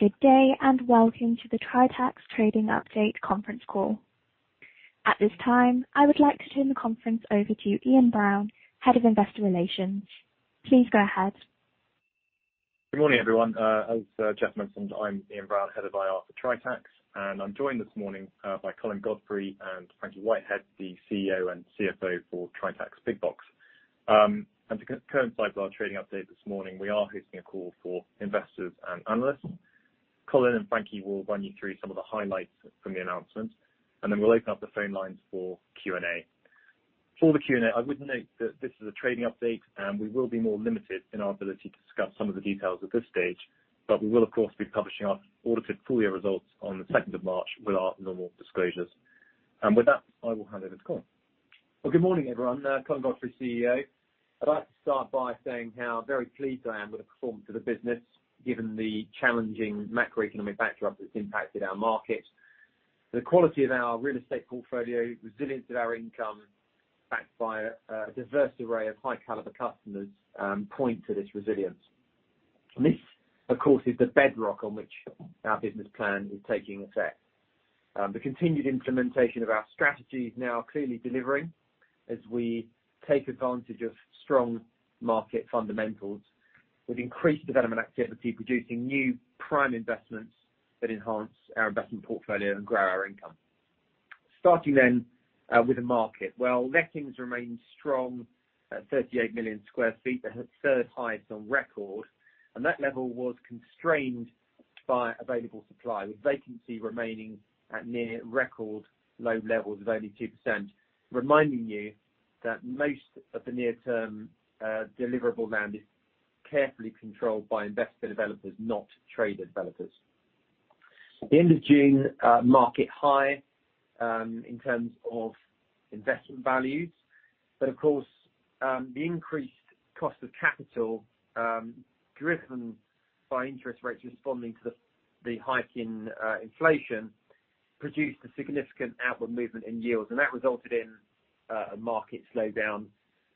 Good day, and welcome to the Tritax Trading Update conference call. At this time, I would like to turn the conference over to Ian Brown, Head of Investor Relations. Please go ahead. Good morning, everyone. As Jeff mentioned, I'm Ian Brown, Head of IR for Tritax, and I'm joined this morning by Colin Godfrey and Frankie Whitehead, the CEO and CFO for Tritax Big Box. To coincide with our trading update this morning, we are hosting a call for investors and analysts. Colin and Frankie will run you through some of the highlights from the announcement, and then we'll open up the phone lines for Q&A. For the Q&A, I would note that this is a trading update, and we will be more limited in our ability to discuss some of the details at this stage, but we will, of course, be publishing our audited full year results on the 2nd of March with our normal disclosures. With that, I will hand over to Colin. Good morning, everyone. Colin Godfrey, CEO. I'd like to start by saying how very pleased I am with the performance of the business, given the challenging macroeconomic backdrop that's impacted our market. The quality of our real estate portfolio, resilience of our income, backed by a diverse array of high caliber customers, point to this resilience. This, of course, is the bedrock on which our business plan is taking effect. The continued implementation of our strategy is now clearly delivering as we take advantage of strong market fundamentals. We've increased development activity, producing new prime investments that enhance our investment portfolio and grow our income. With the market. While lettings remain strong at 38 million sq ft, the third highest on record, that level was constrained by available supply, with vacancy remaining at near record low levels of only 2%, reminding you that most of the near-term deliverable land is carefully controlled by investor developers, not trade developers. The end of June market high in terms of investment values. Of course, the increased cost of capital, driven by interest rates responding to the hike in inflation, produced a significant outward movement in yields. That resulted in a market slowdown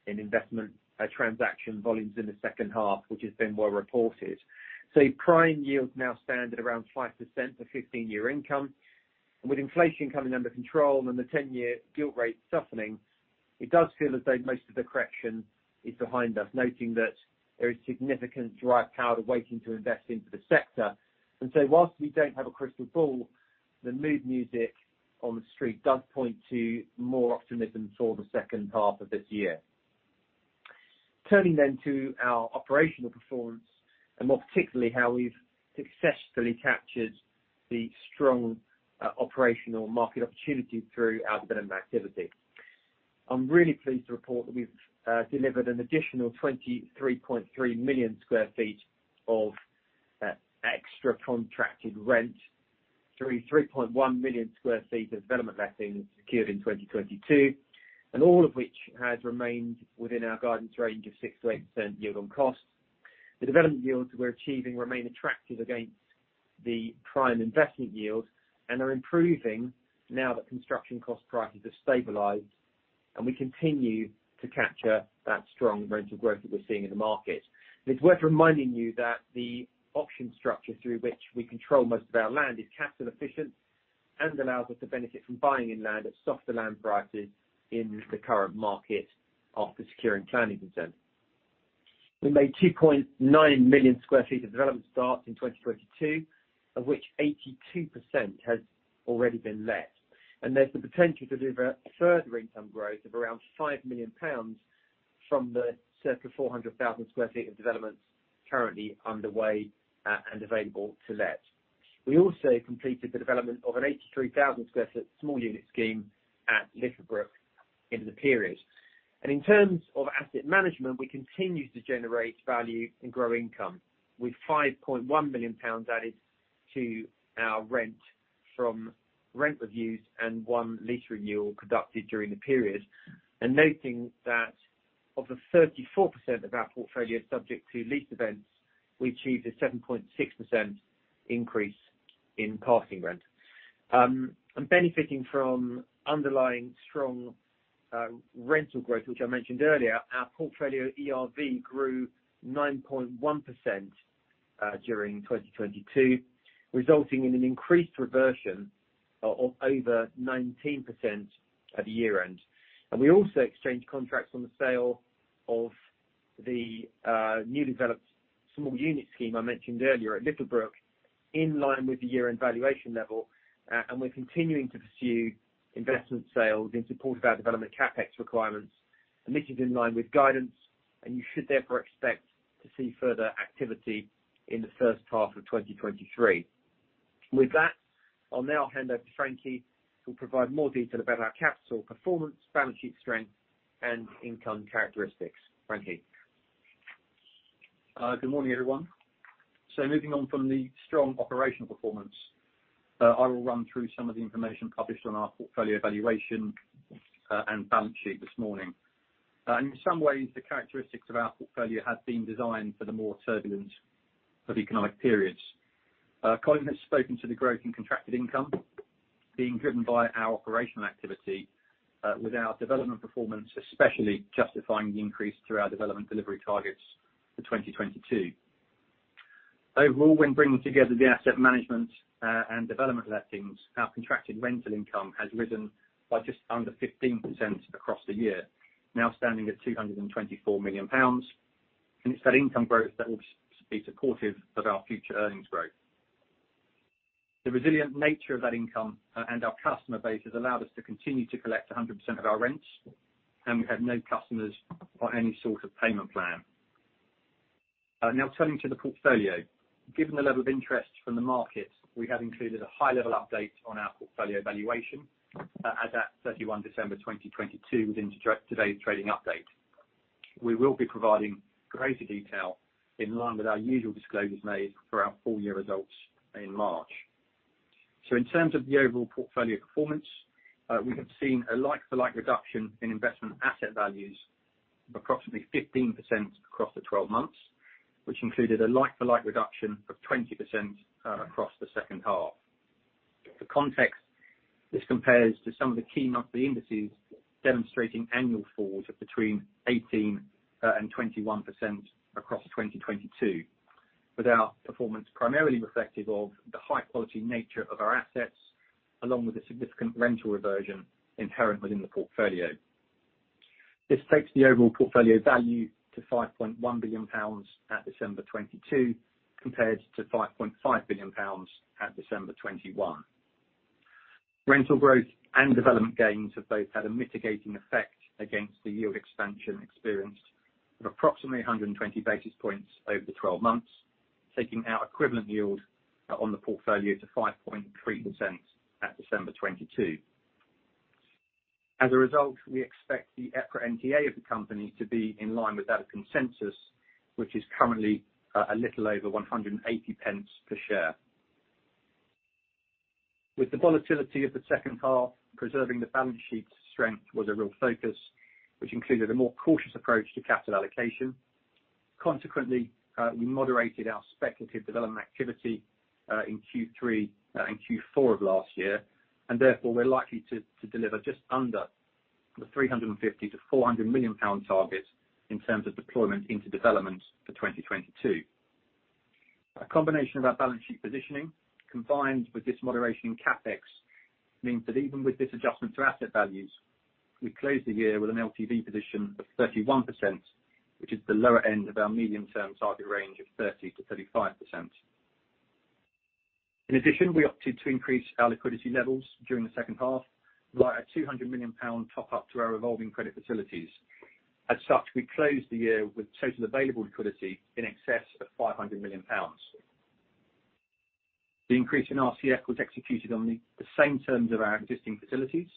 in investment transaction volumes in the second half, which has been well reported. Prime yields now stand at around 5% for 15-year income. With inflation coming under control and the 10-year yield rate softening, it does feel as though most of the correction is behind us, noting that there is significant dry powder waiting to invest into the sector. Whilst we don't have a crystal ball, the mood music on the street does point to more optimism toward the second half of this year. To our operational performance, and more particularly, how we've successfully captured the strong operational market opportunity through our development activity. I'm really pleased to report that we've delivered an additional 23.3 million sq ft of extra contracted rent through 3.1 million sq ft of development lettings secured in 2022, all of which has remained within our guidance range of 6% to 8% yield on cost. The development yields we're achieving remain attractive against the prime investment yield and are improving now that construction cost prices have stabilized, we continue to capture that strong rental growth that we're seeing in the market. It's worth reminding you that the option structure through which we control most of our land is capital efficient and allows us to benefit from buying in land at softer land prices in the current market after securing planning consent. We made 2.9 million sq ft of development starts in 2022, of which 82% has already been let. There's the potential to deliver further income growth of around 5 million pounds from the circa 400,000 sq ft of developments currently underway and available to let. We also completed the development of an 83,000 sq ft small unit scheme at Littlebrook in the period. In terms of asset management, we continue to generate value and grow income with 5.1 million pounds added to our rent from rent reviews and 1 lease renewal conducted during the period. Noting that of the 34% of our portfolio subject to lease events, we achieved a 7.6% increase in passing rent. Benefiting from underlying strong rental growth, which I mentioned earlier, our portfolio ERV grew 9.1% during 2022, resulting in an increased reversion of over 19% at year-end. We also exchanged contracts on the sale of the new developed small unit scheme I mentioned earlier at Littlebrook, in line with the year-end valuation level, and we're continuing to pursue investment sales in support of our development CapEx requirements. This is in line with guidance, and you should therefore expect to see further activity in the first half of 2023. With that, I'll now hand over to Frankie, who'll provide more detail about our capital performance, balance sheet strength, and income characteristics. Frankie. Good morning, everyone. Moving on from the strong operational performance, I will run through some of the information published on our portfolio valuation, and balance sheet this morning. In some ways, the characteristics of our portfolio have been designed for the more turbulent of economic periods. Colin has spoken to the growth in contracted income being driven by our operational activity, with our development performance especially justifying the increase to our development delivery targets for 2022. Overall, when bringing together the asset management and development lettings, our contracted rental income has risen by just under 15% across the year, now standing at 224 million pounds, and it's that income growth that will be supportive of our future earnings growth. The resilient nature of that income and our customer base has allowed us to continue to collect 100% of our rents, and we have no customers on any sort of payment plan. Now turning to the portfolio. Given the level of interest from the market, we have included a high level update on our portfolio valuation, at that 31 December 2022 within today's trading update. We will be providing greater detail in line with our usual disclosures made for our full year results in March. In terms of the overall portfolio performance, we have seen a like-for-like reduction in investment asset values of approximately 15% across the 12 months, which included a like-for-like reduction of 20% across the second half. For context, this compares to some of the key monthly indices demonstrating annual falls of between 18% and 21% across 2022. With our performance primarily reflective of the high quality nature of our assets, along with the significant rental reversion inherent within the portfolio. This takes the overall portfolio value to 5.1 billion pounds at December 2022, compared to 5.5 billion pounds at December 2021. Rental growth and development gains have both had a mitigating effect against the yield expansion experienced of approximately 120 basis points over the 12 months, taking our equivalent yield on the portfolio to 5.3% at December 2022. As a result, we expect the EPRA NDV of the company to be in line with that of consensus, which is currently a little over 180 pence per share. With the volatility of the second half, preserving the balance sheet strength was a real focus, which included a more cautious approach to capital allocation. Consequently, we moderated our speculative development activity in Q3 and Q4 of last year, and therefore we're likely to deliver just under the 350 to 400 million target in terms of deployment into development for 2022. A combination of our balance sheet positioning, combined with this moderation in CapEx, means that even with this adjustment to asset values, we closed the year with an LTV position of 31%, which is the lower end of our medium-term target range of 30% to 35%. In addition, we opted to increase our liquidity levels during the second half, via a 200 million pound top up to our revolving credit facilities. As such, we closed the year with total available liquidity in excess of 500 million pounds. The increase in our CF was executed on the same terms of our existing facilities,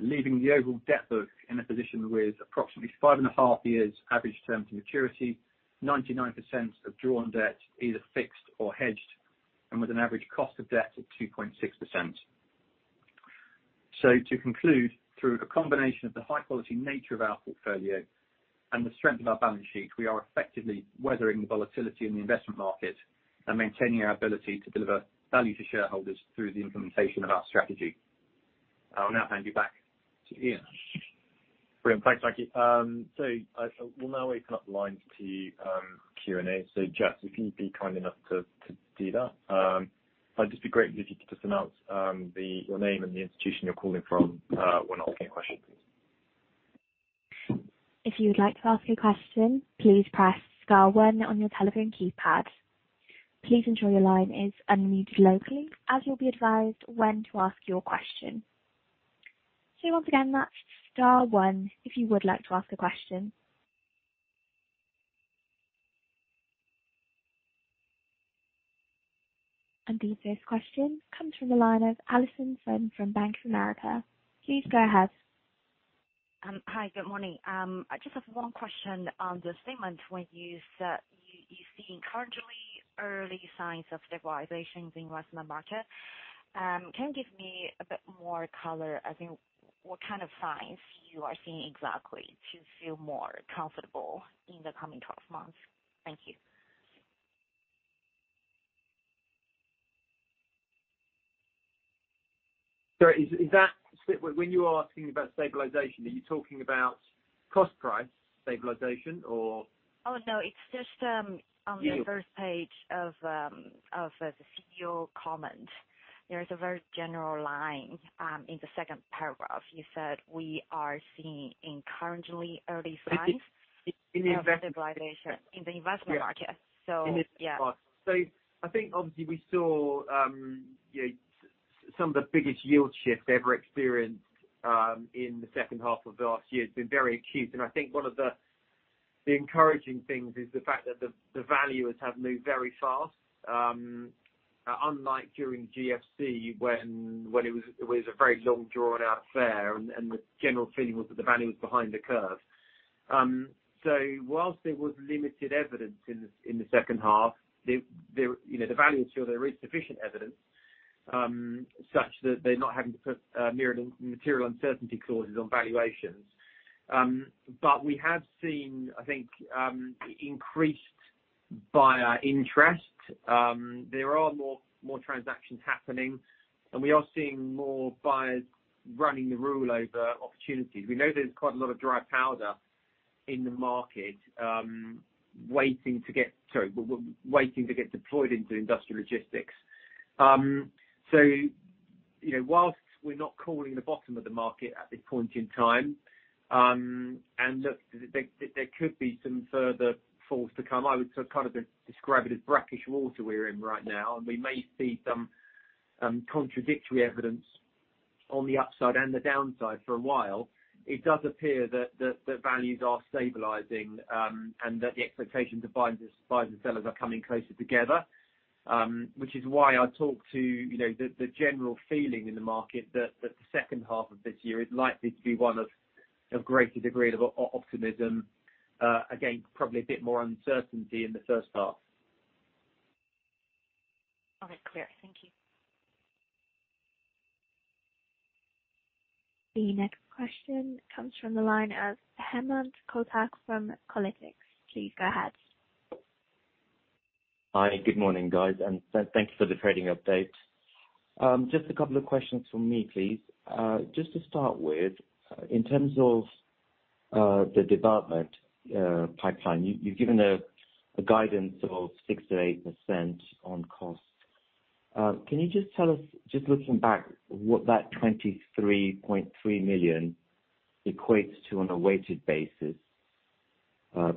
leaving the overall debt book in a position with approximately 5.5 years average term to maturity, 99% of drawn debt either fixed or hedged, and with an average cost of debt of 2.6%. To conclude, through a combination of the high quality nature of our portfolio and the strength of our balance sheet, we are effectively weathering the volatility in the investment market and maintaining our ability to deliver value to shareholders through the implementation of our strategy. I will now hand you back to Ian. Brilliant. Thanks, Frankie. I, we'll now open up the line to Q&A. Jess, if you'd be kind enough to do that. It'd just be great if you could just announce the, your name and the institution you're calling from, when asking a question, please. If you would like to ask a question, please press star one on your telephone keypad. Please ensure your line is unmuted locally, as you'll be advised when to ask your question. Once again, that's star one if you would like to ask a question. The first question comes from the line of Alastair Fein from Bank of America. Please go ahead. Hi, good morning. I just have one question on the statement when you said you're seeing currently early signs of stabilization in investment market. Can you give me a bit more color as in what kind of signs you are seeing exactly to feel more comfortable in the coming 12 months? Thank you. Sorry, When you are asking about stabilization, are you talking about cost price stabilization or? Oh, no. It's just. Yeah. on the first page of the CEO comment. There is a very general line in the second paragraph. You said, "We are seeing encouragingly early signs- In, in, in invest- of stabilization in the investment market. Yeah. Yeah. In this part. I think obviously we saw, you know, some of the biggest yield shifts ever experienced in the second half of last year. It's been very acute. I think one of the encouraging things is the fact that the valuers have moved very fast, unlike during GFC when it was a very long drawn out affair and the general feeling was that the value was behind the curve. Whilst there was limited evidence in the, you know, the valuers feel there is sufficient evidence such that they're not having to put material uncertainty clauses on valuations. We have seen, I think, increased buyer interest. There are more transactions happening, and we are seeing more buyers running the rule over opportunities. We know there's quite a lot of dry powder in the market, waiting to get deployed into industrial logistics. So, you know, whilst we're not calling the bottom of the market at this point in time, and look, there could be some further falls to come, I would sort of, kind of describe it as brackish water we're in right now, and we may see some contradictory evidence on the upside and the downside for a while. It does appear that values are stabilizing, and that the expectations of buyers and sellers are coming closer together, which is why I talk to, you know, the general feeling in the market that the second half of this year is likely to be one of greater degree of optimism. Again, probably a bit more uncertainty in the first half. All right. Clear. Thank you. The next question comes from the line of Hemant Kotak from Green Street Advisors. Please go ahead. Hi, good morning, guys, and thanks for the trading update. Just a couple of questions from me, please. Just to start with, in terms of the development pipeline, you've given a guidance of 6% to 8% on costs. Can you just tell us, just looking back, what that 23.3 million equates to on a weighted basis,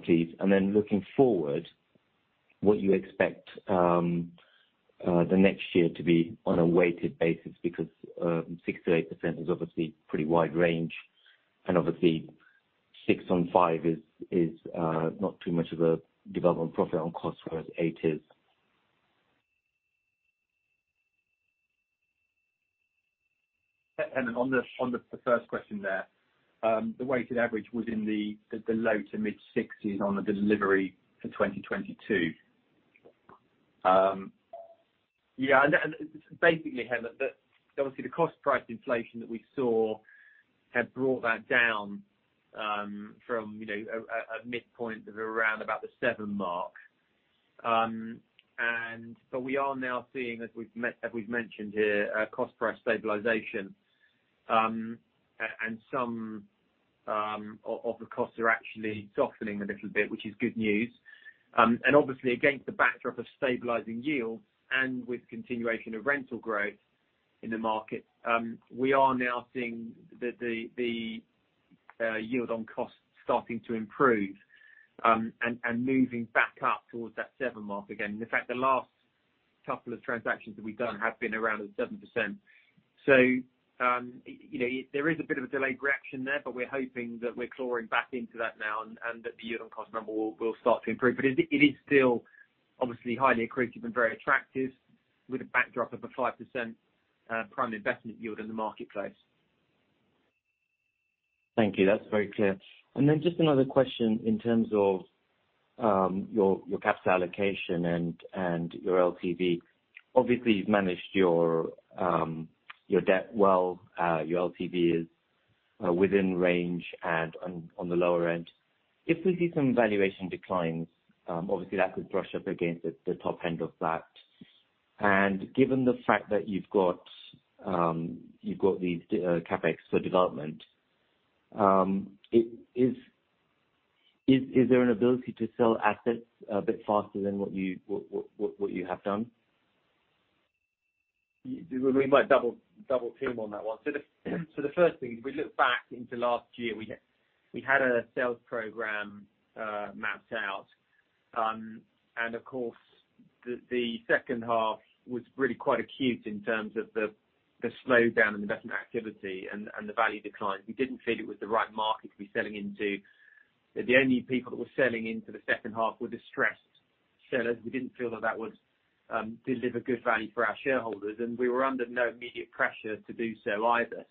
please? Looking forward, what you expect the next year to be on a weighted basis because 6%-8% is obviously pretty wide range, and obviously 6 on 5 is not too much of a development profit on cost whereas 8 is. On the first question there, the weighted average was in the low to mid-60s on the delivery for 2022. Basically, Hemant, obviously the cost price inflation that we saw had brought that down from a midpoint of around about the 7% mark. We are now seeing, as we've mentioned here, a cost price stabilization, and some of the costs are actually softening a little bit, which is good news. Obviously against the backdrop of stabilizing yields and with continuation of rental growth in the market, we are now seeing the yield on cost starting to improve and moving back up towards that 7% mark again. In fact, the last couple of transactions that we've done have been around the 7%. You know, there is a bit of a delayed reaction there, but we're hoping that we're clawing back into that now and that the yield on cost number will start to improve. It is still obviously highly accretive and very attractive with a backdrop of a 5% prime investment yield in the marketplace. Thank you. That's very clear. And then just another question in terms of your capital allocation and your LTV. Obviously you've managed your debt well. Your LTV is within range and on the lower end. If we see some valuation declines, obviously that could brush up against the top end of that. And given the fact that you've got, you've got these CapEx for development, is there an ability to sell assets a bit faster than what you have done? We might double team on that one. The first thing, if we look back into last year, we had a sales program mapped out, and of course the second half was really quite acute in terms of the slowdown in investment activity and the value declines. We didn't feel it was the right market to be selling into. The only people that were selling into the second half were distressed sellers. We didn't feel that would deliver good value for our shareholders, and we were under no immediate pressure to do so either.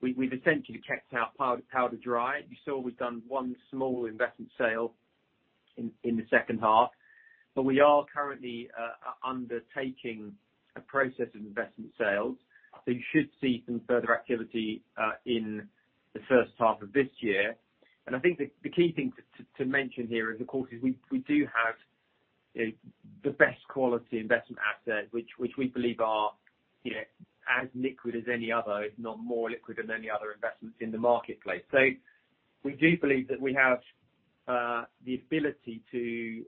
We've essentially checked out powder dry. You saw we've done 1 small investment sale in the second half. We are currently undertaking a process of investment sales, so you should see some further activity in the first half of this year. I think the key thing to mention here is of course, is we do have the best quality investment assets, which we believe are, you know, as liquid as any other, if not more liquid than any other investments in the marketplace. We do believe that we have the ability to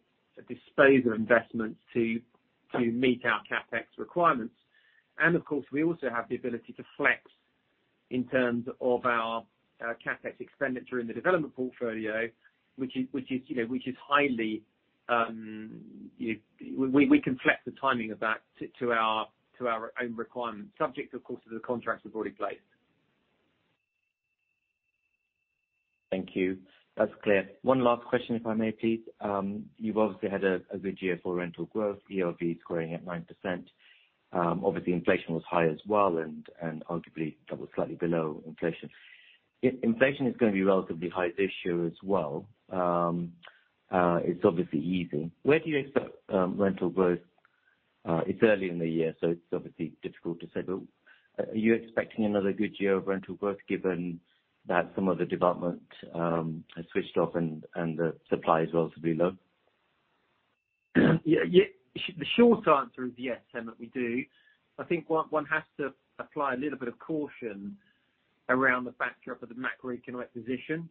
dispose of investments to meet our CapEx requirements. Of course, we also have the ability to flex in terms of our CapEx expenditure in the development portfolio, which is, you know, highly, you know, we can flex the timing of that to our own requirements, subject of course to the contracts we've already placed. Thank you. That's clear. One last question if I may, please. You've obviously had a good year for rental growth, ERV growing at 9%. Obviously inflation was high as well and arguably that was slightly below inflation. If inflation is gonna be relatively high this year as well, it's obviously easing. Where do you expect rental growth? It's early in the year, so it's obviously difficult to say, but are you expecting another good year of rental growth given that some of the development has switched off and the supply is relatively low? Yeah. The short answer is yes, Hemant, we do. I think one has to apply a little bit of caution around the backdrop of the macroeconomic position.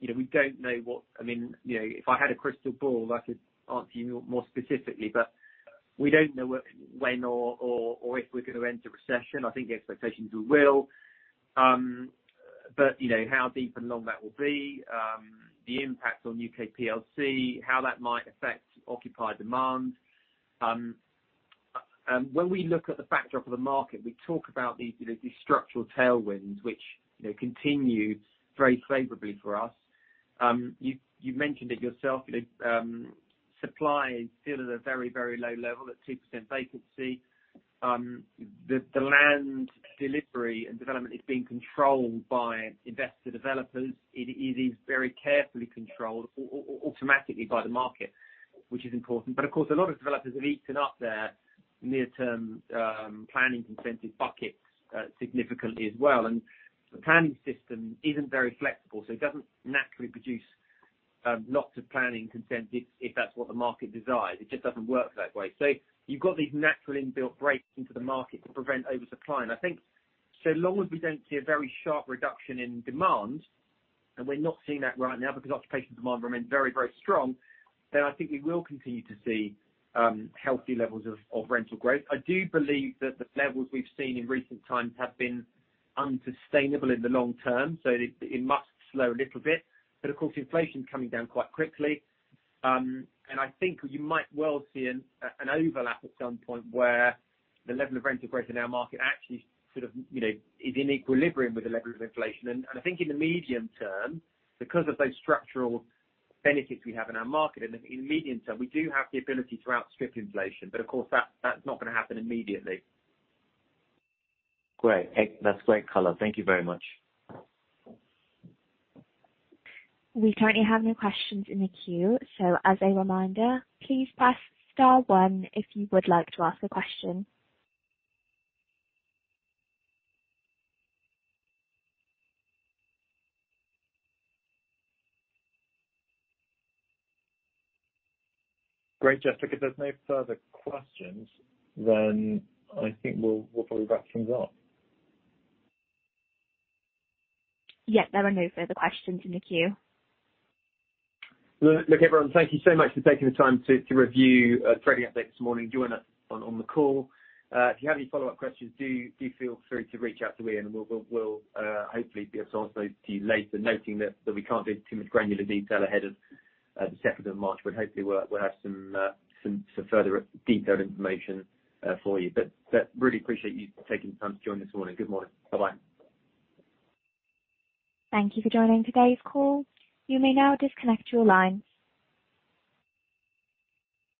you know, we don't know what... I mean, you know, if I had a crystal ball, I could answer you more specifically, but we don't know when or if we're gonna enter recession. I think the expectations are we will. you know, how deep and long that will be, the impact on UK PLC, how that might affect occupied demand. When we look at the backdrop of the market, we talk about these, you know, these structural tailwinds which, you know, continue very favorably for us. you mentioned it yourself, you know, supply is still at a very, very low level at 2% vacancy. The land delivery and development is being controlled by investor developers. It is very carefully controlled automatically by the market, which is important. Of course, a lot of developers have eaten up their near-term planning consents buckets significantly as well, and the planning system isn't very flexible, so it doesn't naturally produce lots of planning consents if that's what the market desires. It just doesn't work that way. You've got these natural inbuilt breaks into the market to prevent oversupply. I think so long as we don't see a very sharp reduction in demand, and we're not seeing that right now because occupation demand remains very, very strong, then I think we will continue to see healthy levels of rental growth. I do believe that the levels we've seen in recent times have been unsustainable in the long term, so it must slow a little bit. Of course, inflation is coming down quite quickly. I think you might well see an overlap at some point where the level of rental growth in our market actually sort of, you know, is in equilibrium with the level of inflation. I think in the medium term, because of those structural benefits we have in our market, in the medium term, we do have the ability to outstrip inflation, but of course, that's not gonna happen immediately. Great. That's great color. Thank you very much. We currently have no questions in the queue. As a reminder, please press star one if you would like to ask a question. Great, Jessica. If there's no further questions, I think we'll probably wrap things up. Yes, there are no further questions in the queue. Look, everyone, thank you so much for taking the time to review our trading update this morning, join us on the call. If you have any follow-up questions, do feel free to reach out to Ian, and we'll hopefully be able to answer those to you later, noting that we can't give too much granular detail ahead of the second of March, but hopefully, we'll have some further detailed information for you. Really appreciate you taking the time to join this morning. Good morning. Bye-bye. Thank you for joining today's call. You may now disconnect your lines.